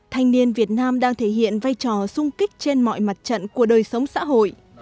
thanh niên việt nam đang thể hiện vai trò sung kích trên mọi mặt trận của đời sống xã hội